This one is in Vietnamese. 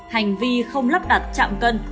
hành vi không lắp đặt chạm cân